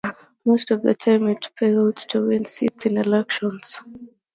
Most of the time it failed to win seats in elections.